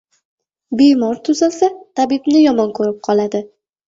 • Bemor tuzalsa — tabibni yomon ko‘rib qoladi.